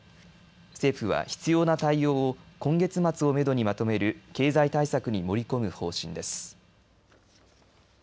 政府は、必要な対応を今月末をめどにまとめる経済対策に盛り込む方針です。